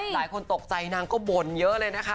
หลายคนตกใจนางก็บ่นเยอะเลยนะคะ